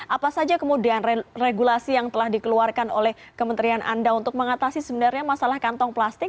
apa saja kemudian regulasi yang telah dikeluarkan oleh kementerian anda untuk mengatasi sebenarnya masalah kantong plastik